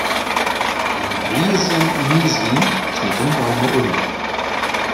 Wenn Riesen niesen, knicken Bäume um.